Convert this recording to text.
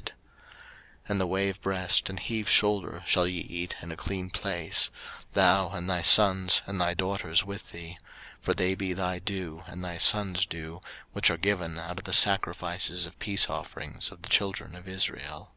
03:010:014 And the wave breast and heave shoulder shall ye eat in a clean place; thou, and thy sons, and thy daughters with thee: for they be thy due, and thy sons' due, which are given out of the sacrifices of peace offerings of the children of Israel.